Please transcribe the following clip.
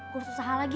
gue susah lagi